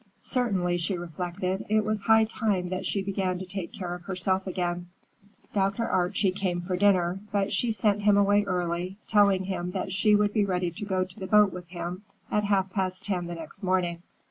Certainly, she reflected, it was high time that she began to take care of herself again. Dr. Archie came for dinner, but she sent him away early, telling him that she would be ready to go to the boat with him at half past ten the next morning.